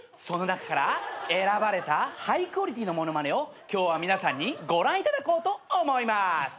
その中から選ばれたハイクオリティーな物まねを今日は皆さんにご覧いただこうと思います。